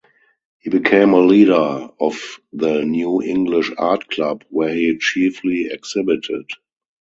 He became a leader of the New English Art Club, where he chiefly exhibited.